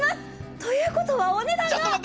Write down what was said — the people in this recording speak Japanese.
ということはお値段が。